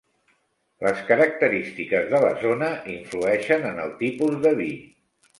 Les característiques de la zona influeixen en el tipus de vi.